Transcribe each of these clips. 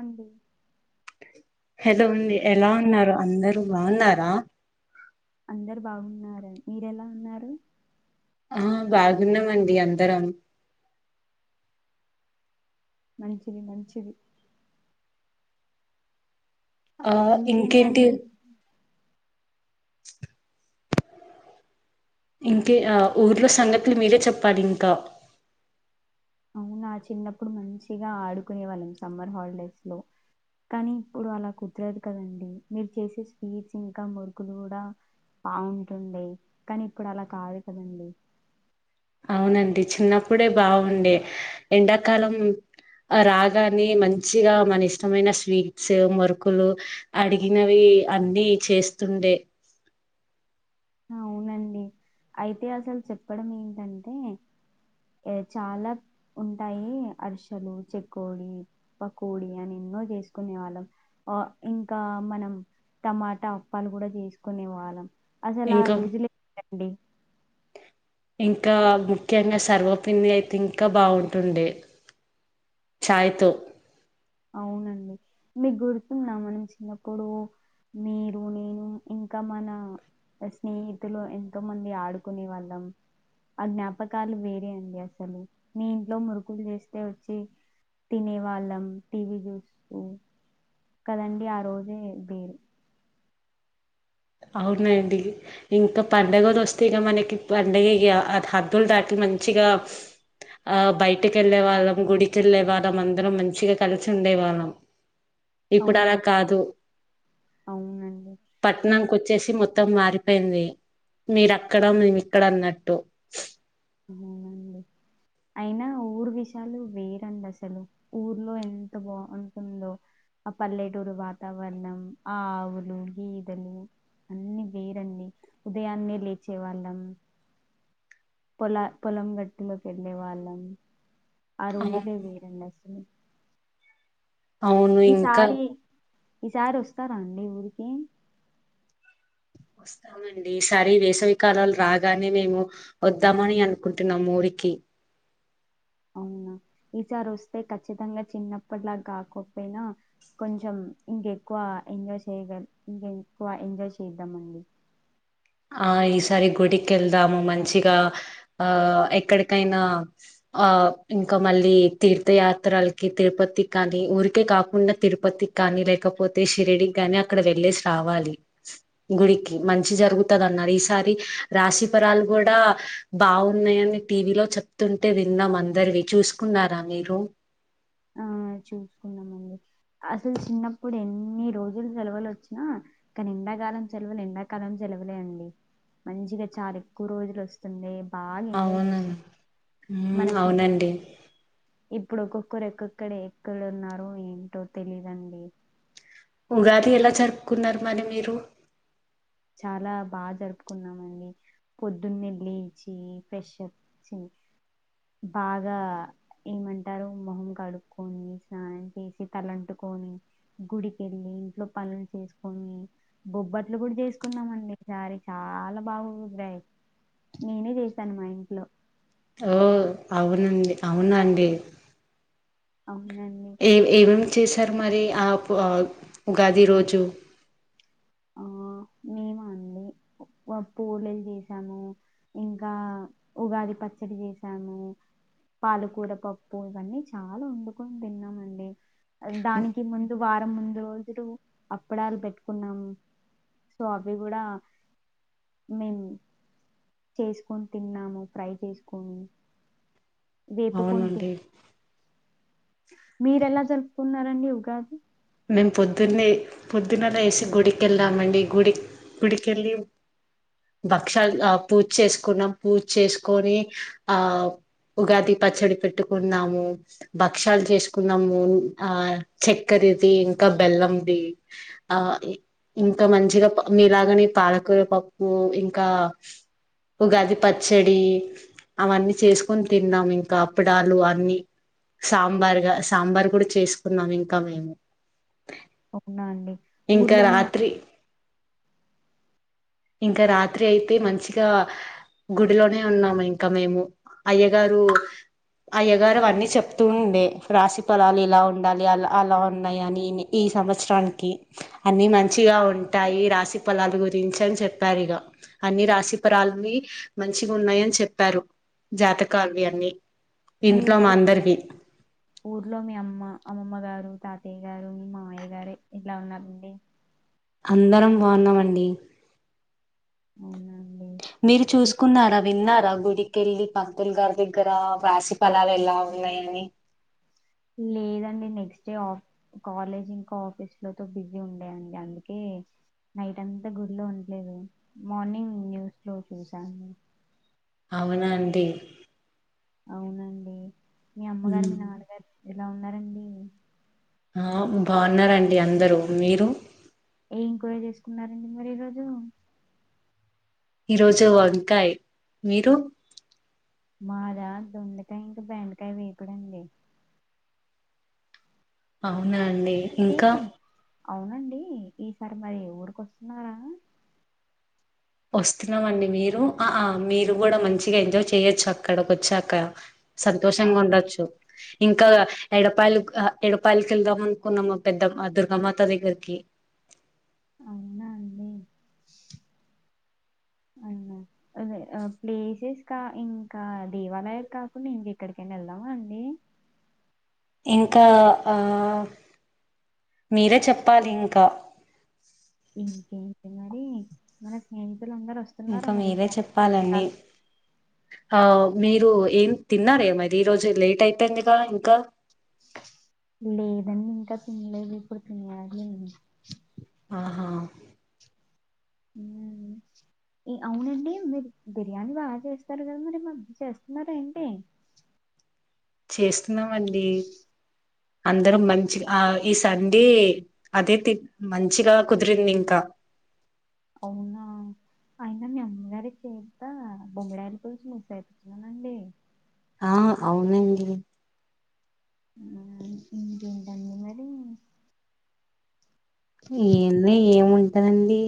అడి [unintelligible] హలో! ఉంది ఎలా ఉన్నారు? అందరూ బాగున్నారా? అందరూ బాగున్నారు. మీరెలా ఉన్నారు? ఆ బాగున్నామండి అందరం. మంచిది. మంచిది. ఆ ఇంకేంటి? ఇంకేంటండి అ [unintelligible] ఇంకె ఆ ఊర్లో సంగతులు మీరే చెప్పాలి ఇంకా? అవునా చిన్నప్పుడు మంచిగా ఆడుకునే వాళ్ళం సమ్మర్ హాలిడేస్ లో. కానీ ఇప్పుడు అలా కుదరదు కదండి. మీరు చేసే స్వీట్స్ ఇంకా మురుకులు కూడా బాగుంటుండే కానీ ఇప్పుడు అలా కాదు కదండి. అవునండి! చిన్నప్పుడే బాగుండే ఎండాకాలం రాగానే మంచిగా మన ఇష్టమైన స్వీట్స్ మురుకులు అడిగినవి అన్నీ చేస్తుండె. అవునండి అయితే అసలు చెప్పడం ఏంటంటే చాలా ఉంటాయి. అరిసలు చెకోడి, పకోడి అని ఎన్నో చేసుకునే వాళ్ళం ఇంకా మనం టమాటా అప్పాలు కూడా చేసుకునే వాళ్ళం. అసలు ఆ ఇంకా రోజులే డి ఇంకా ముఖ్యంగా సర్వపిండి అయితే ఇంకా బాగుంటుండే ఛాయ్ తో. అవునండి మీకు గుర్తు నమనించినప్పుడు మీరు నేను ఇంకా మన స్నేహితులు ఎంతోమంది ఆడుకునే వాళ్ళం ఆ జ్ఞాపకాలు వేరే అండి అసలు మీ ఇంట్లో మురుకులు చేస్తే వచ్చి తినేవాళ్ళం టీవీ చూస్తూ కదండీ ఆ రోజే వేరు అవునండి ఇంకా పండగది వస్తే ఇక మనకి పండగ హద్దులు దాటి మంచిగా ఆ బయటక వెళ్ళే వాళ్ళం గుడికెళ్ళే వాళ్ళం అందరం మంచిగా కలిసి ఉండే వాళ్ళం ఇప్పుడు అవునండి అలా కాదు అవునండి పట్ ఇం నంకోచ్చేసి మొత్తం మారిపోయింది మీరు అక్కడ మేము ఇక్కడ అన్నట్టు అవునండి అయినా ఊరు విషయాలు వేరండి అసలు ఊర్లో ఎంత బాగుంటుందో ఆ పల్లెటూరు వాతావరణం ఆ ఆవులు గేదలు అన్ని వేరండి ఉదయాన్నే లేచే వాళ్ళం పొలా పొలం గట్టిలో వెళ్లే వాళ్ళం ఆ అవు రోజులే వేరండి అసలు అవును ఇంకా ఈసారి ఈసారి వస్తారా అండి ఊరికి వస్తామండి ఈసారి వేసవికాలాలు రాగానే మేము వద్దామని అనుకుంటున్నాం ఊరికి అవునా ఈసారి వస్తే ఖచ్చితంగా చిన్నప్పటిలాగా కాకపోయినా కొంచెం ఇంకెక్కువ ఎంజాయ్ చేయగల ఇంక ఎక్కువ ఎంజాయ్ చేద్దాంండి ఆ ఈసారి గుడికి వెళ్దాము మంచిగా ఆ ఎక్కడికైనా ఆ ఇంకా మళ్ళీ తీర్థయాత్రలకి తిరుపతికి కానీ ఊరికే కాకుండా తిరుపతికి కానీ లేకపోతే షిరడికి కాని అక్కడ వెళ్ళేసి రావాలి గుడికి మంచి జరుగు తదన్నారు ఈసారి రాశిఫరాలు కూడా బాగున్నాయని టీవీలో చెప్తుంటే విన్నాం అందరివి చూసుకున్నారా మీరు ఆ చూసుకున్నామండి అసలు చిన్నప్పుడు ఎన్ని రోజులు సెలవులు వచ్చినా కానీ ఎండాకాలం సెలవులు ఎండాకాలం సెలవులే అండి మంచిగా చాలా ఎక్కువ రోజులు వస్తుంది అవును మన స్నే అవునండి ఇప్పుడు ఒక్కొక్కరు ఎక్కొక్కడ ఎక్కడు ఉన్నారో ఏంటో తెలీదండి రాఖీ ఎలా జరుపుకున్నారు మరీ మీరు చాలా బాగా జరుపుకున్నామ అండి పొద్దున్న లేచి ఫ్రెష్ చేసి బాగా ఏమంటారు మొహం కడుక్కకొని స్నానం చేసి తలంటుకొని గుడికెళ్ళి ఇంట్లో పనులు చేసుకొని బొబ్బట్లు కూడా చేసు అకున్నామండి ఈసారి చాలా బాగు కుదిరాయి నేనే చేశాను మా ఇంట్లో ఓ అవునండి అవునండి అవున ఏ ఏమేమి చేశారు మరి ఆ పూ ఉగాది రోజు ఆ మేమా అండి పూలలు చేసాము ఇంకా ఉగాది పచ్చడి చేసాము పాలకూర పప్పు ఇవన్నీ చాలా వండుకొని తిన్నామండి దానికి ముందు వారం ముందు రోజులు అప్పడాలు పెట్టుకున్నాము సో అవి కూడా మేము చేసుకొని తిన్నాము ట్రై చేసుకొని వేపు కొంతీ అవునండి మీరెలా జరుపుకున్నారండి ఉగాది నేను పొద్దున్నే పొద్దున లేేసి గుడి కెళ్దామండి గుడి గుడికెళ్ళి భక్షాలు ఆ పూజ చేసుకున్నాం పూజ చేసుకొని ఆ ఉగాది పచ్చడి పెట్టుకున్నాము భక్షాలు చేసుకున్నాము ఆ చక్కర ఇంకా బెల్లంది ఆ ఇంకా మంచిగా మీలాగనే పాలకూర పప్పు ఇంకా ఉగాది పచ్చడి అవన్నీ చేసుకొని తిన్నాం ఇంకా అప్పడాలు అన్ని సాంబార్గా సాంబార్ కూడా చేసుకున్నాం ఇంకా మేము అవునా అండి ఇంకా ఊర్లో మీ రాత్రి ఇంకా రాత్రి అయితే మంచిగా గుడిలోనే ఉన్నాము ఇంకా మేము అయ్యగారు అయ్యగారు అన్ని చెప్తూ ఉండే రాశి ఫొలాలు ఇలా ఉండాలి అ అలా ఉన్నాయి అని ఈ సంవత్సరానికి అన్ని మంచిగా ఉంటాయి రాశి ఫలాలు గురించి అని చెప్పారు ఇక అన్ని రాశి పరాలని మంచిగా ఉన్నాయ అని చెప్పారు జాతకాలవి అన్నీ మీఊ ఊర్లో మీ అమ్మ అమ్మమ్మ గారు తాతయ్య గారు మీ మామయ్య గారు ఎల ఉన్నారండి అందరం బాగున్నామండి అవునా అండి మీరు చూసుకున్నారా విన్న గుడికెళ్ళి పంతులు గారి దగ్గర రాసిి ఫలాలు ఎలా ఉన్నాయని లేదండి నెక్స్ట్ డేఫ కాలేజ్ ఇంకా ఆఫీస్లోతో బిజీ ఉండేయండి అందుకే నైట్ అంతా గుడ్లో ఉండలేదు మార్నింగ్ న్యూస్లో చూసాండి అవునా అండి అవునండి మీ ఉ అమ్మగారు మీ నాన్నగారు ఎలా ఉన్నారండి ఆ బాగున్నండి అందరూ మీరు ఏ ఇంక్వైరీ చేసుకున్నారండి మరి ఈరోోజు ఈరోజు వంకాయ్ మీరు మారా దొండకాయ ఇంక బెండకాయ వేపిడండి అవునా అండి ఏ ఇంకా అవునండి ఈసారి మరి ఊరిక వస్తున్నారా వస్తున్నామండి మీరు ఆ మీరు కూడా మంచిగా ఎంజాయ్ చెయొచ్చు అక్కడకి వచ్చాక సంతోషంగా అవునా ఉండొచ్చు ఇంకా ఎడపాయలు ఎడపాయలకి వెళ్దాం అనుకున్నాము పెద్దమ్ దుర్గామాత దగ్గరికి అవునా అండి అవునా అదే ప్లేసెస్ ఇంకా ఇంకా దేవాలయ కాకుండా ఇంక ఇక్కడికైనా వెళ్దామా అండి ఇంకా ఆ మీరే చెప్పాలి ఇంకా ఉ ఉ మరి మానేసే మీరందరు వస్తున్నారు ఇంకా మరి మీరే దాల్ చెప్పాలండి దాల్ ఆ మీరు ఏం తిన్నారే మరి ఈ రోజు లేట్ అయితందిగా ఇంకా లేదండి ఇంకా తినలేదు ఇప్పుడు తినాలి ఆహా అవునండి మీరు బిర్యానీ బాగా చేస్తారు కదా మరి మాకు చేస్తున్నారా ఏంటి చేస్ నవ్వండి అందరూ మంచిగా ఆ ఈ సండే అదే తీ మంచిగా కుదిరింది ఇంకా అవునా అయినా మీ అమ్మమ్మగారి చేత్తో బొమ్మడాయిల పులుసు మిస్ అయిపోతున్నానండి ఆ అవునండి ఆ ఇంకెటండి మరి ఎందో ఏము తండి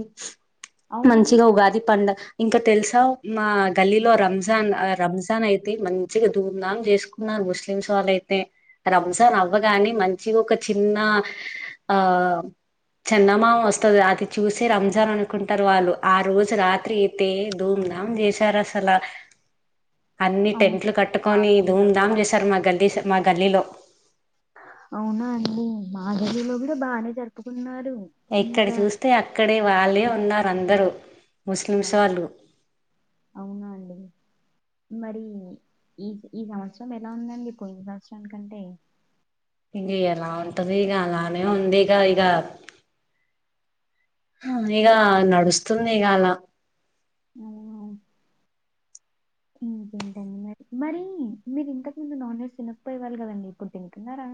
అవునండి మంచిగా ఉగాది పండగ ఇంకా తెలుసావు మా గల్లీలో రంజాన్ ఆ ఇంకా ఇంకా తెలుసా మా గల్లీలో రంజాన్ ఆ రంజాన్ అయితే మంచిగా ధూంధాం చేసుకున్నారు ముస్లిమ్స్ వాళ్ళయితే రంజాన్ అవ్వగాని మంచిగా ఒక చిన్న ఆ చందమామ వస్తది అది చూసి రంజాన్ అనుకుంటారు వాళ్ళు ఆ రోజు రాత్రి అయితే ధూంధాం చేసారు అసలు అన్ని అవును టెంట్లు కట్టుకొని మాగదిలో ధూంధాం కూడా చేసారు మా గల్లీీస్ మా గల్లీలో అవునా అండి మాగల్లి లో కూడా బానే జరుపుకున్నారు ఎక్కడ ఇంకా చూస్తే అక్కడే వాళ్ళే ఉన్నారు అందరూ ముస్లింస్ అవు వాళ్ళు అవునా అండి మరి ఈ ఈ సంవత్సరం ఎలా ఉందండి పోయిన సంవత్సరం కంటే ఇంగ ఎలా ఉంటది ఇగ అలానే ఉంది ఇగ ఇగ హ ఇగ నడుస్తుంది ఇగ అలా అవున ఇంకేంటండి మరి మరి మీరు ఇంతకు ముందు నాన్ వెజ్ తినకపోయేవాళ్ళుకదండి ఇప్పుడు తింటున్నారా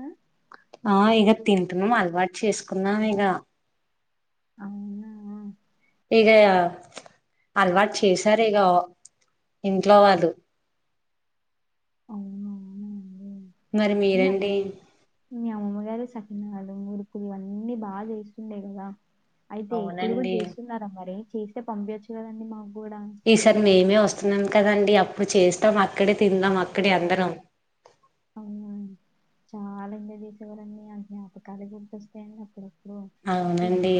ఆ ఇగ తింటున్నాం అలవాటు చేసుకున్నాం ఇగ అవునా ఇగ అలవాటు చేశారు ఇగ ఇంట్లో వాళ్ళు అవునవును మరి మీరండి మీ అమ్మమ్మగారు చకనాలు మురుకులు అన్నీ బా చేస్తుండే కదా అయితే ఇప్పుడు కూడా అవునండి చేస్తున్నారా మరి ఇసచేస్తే పంపియచ్చు కదండి మాకు కూడా ఈసారి మేమే వస్తున్నాం కదండి అప్పుడు చేస్తాం అక్కడే తిందాం అక్కడే అందరం అవునండి చాలా ఎంజాయ్ చేసేవాళ్ళం ఆ జ్ఞాపకాలు గుర్తొస్తాయండి అప్పుడప్పుడు ఈ అవునండి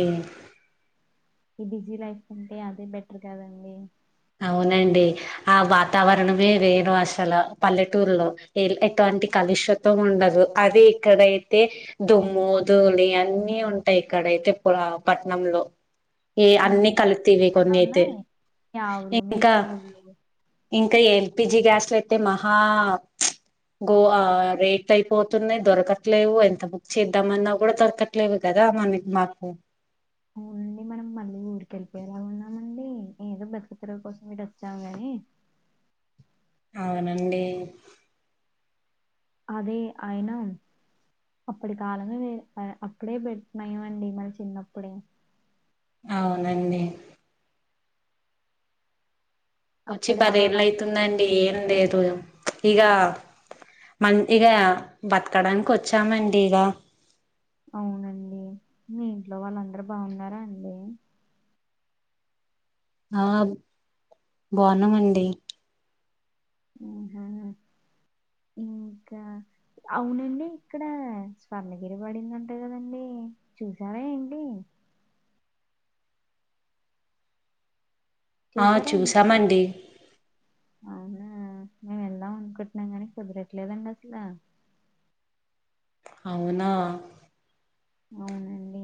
ఈ బిజీ లైఫ్ కంటే అదే బెటర్ కదండి అవునండి ఆ వాతావరణమే వేరు అసలు పల్లెటూర్లో ఎటువంటి కలుషతం ఉండదు అది ఇక్కడైతే దుమ్ము దూలి అన్ని ఉంటాయి ఇక్కడైతే ప పట్నంలో ఏ అన్నీ కలితివే కొన్ని అయితే అవును మీ ఇంకా పోళ్లు ఇంకా ఎల్పిజి గ్యాస్లు అయితే మహా గో ఆ రేట్ అయిపోతున్నాయి దొరకట్లేవు ఎంత బుక్ చేద్దామన్నా కూడా దొరకట్లేవు కదా మనకి మాకు అవునండి మనం మళ్ళీ ఊరికి వెళ్ళిపోయేలా ఉన్నామండి ఏదో బతుకు తెరువు కోసం ఇటు వచ్చాం కానీ అవునండి అదే అయన అప్పటి కాలమే మేలు ఆ అప్పుడే బెట్ నయం అండి మనం చిన్నప్పుడే అవునండి వచ్చి అప్పుడు పదేళ్లు ఆ అయితుందండి ఏం లేదు [unintelligible] ఇగ మంచిగ బతకడానికి వచ్చామండి ఇగ అవునండి మీ ఇంట్లో వాళ్ళందరూ బాగున్నారా అండి ఆ బాగున్నామండి హ్మ్ హు ఇంకా అవునండి ఇక్కడ స్వర్ణగిరి పడిందంట కదండి చూసారా ఏంటి ఆ చూసారా అండి? చూసామండి అవునా మేము వెళ్దాం అనుకుంటున్నాం కానీ కుదరట్లేదండి అసల అవునా అవునండి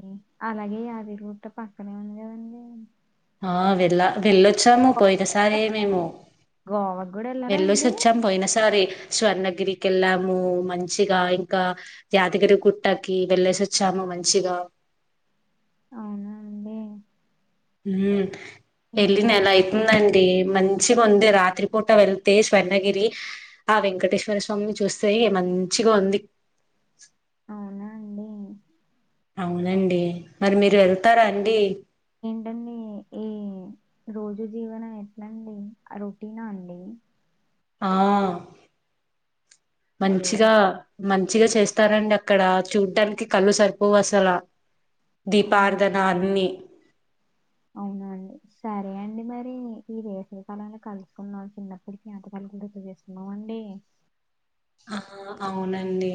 అలాగే ఈ యాదిగుట్ట పక్కనే ఉంది కదండి ఆ వెళ్లా వవెళ్ళో వచము పోయిన సరే మేము. గోవాకు గూడా ఎళ్లారా అండి? వెళ్లేసొచ్చాం పోయినసారి. స్వర్ణగిరి కి వెళ్ళాము మంచిగా ఇంకా యాదగిరి గుట్టకి వెళ్ళేసి వచ్చాము మంచిగా. మ్. వివేక్. ఎల్లి నెల మరి? అయితుందండి మన్ మంచిగుంది రాత్రిపూట వెళ్తే స్వర్ణగిరి ఆ వెంకటేశ్వర స్వామిని చూస్తే మంచిగా ఉంది. అవునా అండి. అవునండి మరి మీరు వెళ్తారా అండి. ఏంటండి ఈ రోజు జీవనం ఎట్లండి రొటీనా అండి. ఆ. అదే అవును. మంచిగా. మంచిగా చేస్తానరండి అక్కడ చూడ్డానికి కళ్ళు సరిపోవ్ అసల. దీపార్థన అన్ని. అవునండి సరే అండి మరి ఈ వేసవి కాలంలో కలుసుకున్నాం చిన్నప్పుటి ఙ్ఞాపకాలు అన్ని గుర్తు చేస్తుకున్నాం అండి. ఆహా అవునండి.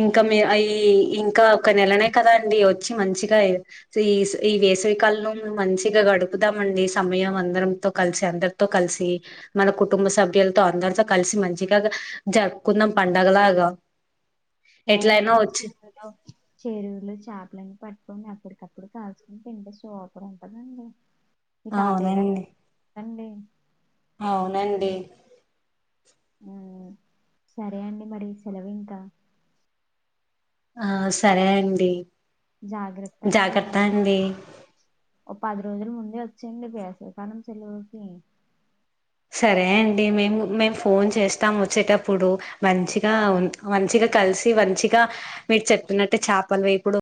ఇంకా మీ ఐ ఇంకా ఒక నెలనే కదా అండి. వచ్చి మంచిగా ఈ ఈ వేసవి కాలంలో మంచిగా గడుపుదామండి. సమయం అందరం తో కలిసి అందరితో కలిసి మన కుటుంబ సభ్యులతో అందరితో కలిసి మంచిగా గ. జరుపుకుందాం పండగలాగా. హాయ్ ఎట్లయినా అండి. వచ్చి చెరువులో చెరువుల చాపలను పాట్. నన్లే అప్పడికప్పుడు కాల్చుకొని తింటే సూపర్ ఉంటదండి. మీ తాతయ్య గారు అవునండి అండి. అవునండి. హోమ్ సరే అండి మరి సెలవు ఇంకా. ఆ సరే అండి. జాగ్రత్త అండి. జాగర్త అండి. ఓ పది రోజుల ముందే వచ్చేయండి. వేసవి కాలం సెలవులకి. సరే అండి మేము మేము ఫోన్ చేస్తాం వచ్చేటప్పుడు మంచిగా మంచిగా కలిసి మంచిగా మీరు చెప్పినట్టే చాపల వేపుడు.